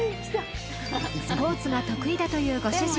スポーツが得意だというご主人